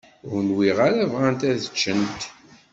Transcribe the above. Ur nwiɣ ara bɣant ad ččent.